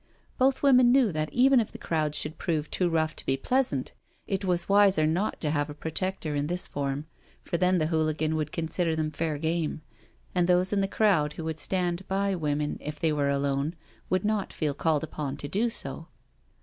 Both women knew that even if the crowd should prove too rough to be pleasant, it was wiser not to have a protector in this form, for then the hooligan would consider them fair game, and those in the crowd who would stand by women if they were alone would not feel called upon to do so.